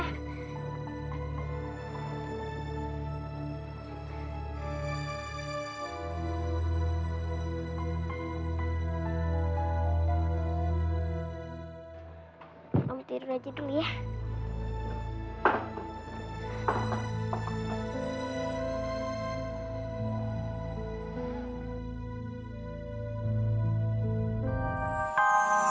kamu tidur aja dulu ya